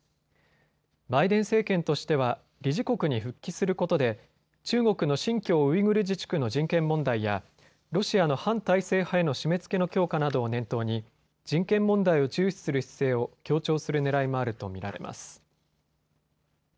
バイデン政権としては理事国に復帰することで中国の新疆ウイグル自治区の人権問題やロシアの反体制派への締めつけの強化などを念頭に人権問題を重視する姿勢を強調するねらいもあると見られます。